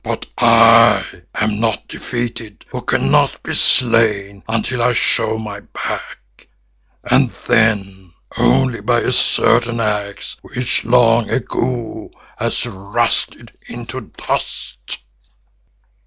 But I am not defeated who cannot be slain until I show my back, and then only by a certain axe which long ago has rusted into dust."